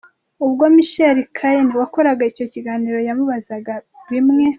Ubwo Michael Caine wakoraga icyo kiganiro yamubazaga bimwe.